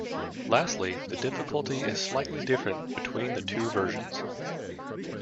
Lastly, the difficulty is slightly different between the two versions.